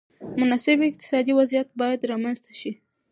مناسب اقتصادي وضعیت باید رامنځته شي.